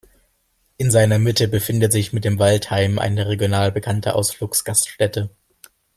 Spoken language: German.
In seiner Mitte befindet sich mit dem "Waldheim" eine regional bekannte Ausflugsgaststätte.